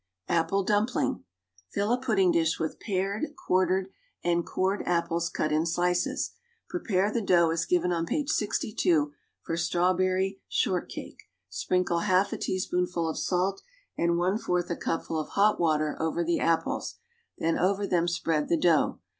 APPLE DUMPLIN.G I'ill a pudding dish with pared, quartered and co('ed apples iiit in slices; pre pare the dough as gi\en on page (i'i for strawbei ry shortcake; sprinkle half a teaspoonful of salt ami one fourth a cupful of hot water o\er the apples, then over them spread the dough.